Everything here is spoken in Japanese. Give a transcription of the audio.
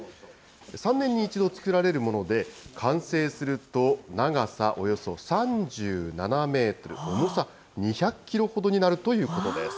３年に１度作られるもので、完成すると、長さおよそ３７メートル、重さ２００キロほどになるということです。